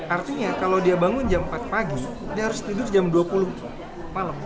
artinya kalau dia bangun jam empat pagi dia harus tidur jam dua puluh malam